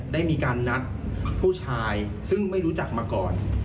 ได้มีการนัดผู้ชายซึ่งไม่รู้จักมาก่อน